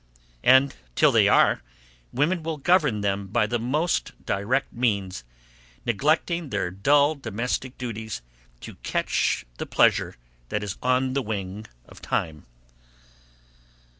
And, till they are, women will govern them by the most direct means, neglecting their dull domestic duties, to catch the pleasure that is on the wing of time.